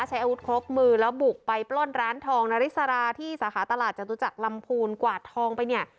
ใช้อาวุธครบมือแล้วบุกไปปล้นร้านทองนาริสราที่สาขาตลาดจตุจักรลำพูนกวาดทองไปเนี่ย